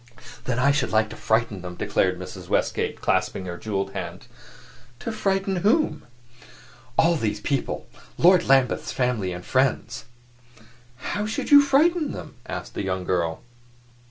"Then I should like to frighten them," declared Mrs. Westgate, clasping her jeweled hands. "To frighten whom?" "All these people; Lord Lambeth's family and friends." "How should you frighten them?" asked the young girl.